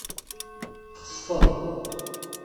Txesfeḍ.